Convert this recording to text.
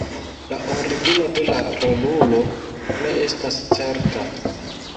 La origino de la rolulo ne estas certa.